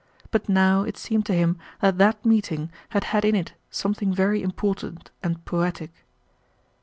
But now it seemed to him that that meeting had had in it something very important and poetic.